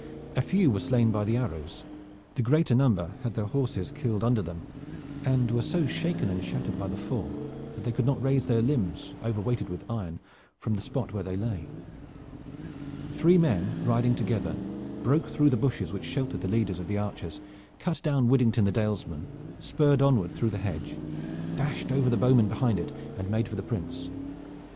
A few were slain by the arrows. The greater number had their horses killed under them, and were so shaken and shattered by the fall that they could not raise their limbs, over weighted with iron, from the spot where they lay. Three men riding together broke through the bushes which sheltered the leaders of the archers, cut down Widdington the Dalesman, spurred onward through the hedge, dashed over the bowmen behind it, and made for the Prince.